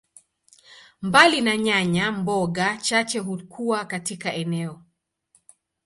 Mbali na nyanya, mboga chache hukua katika eneo.